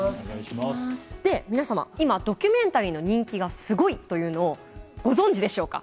で皆様今ドキュメンタリーの人気がすごいというのをご存じでしょうか。